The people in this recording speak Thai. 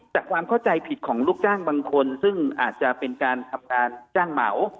ความเข้าใจผิดของลูกจ้างบางคนซึ่งอาจจะเป็นการทำการจ้างเหมา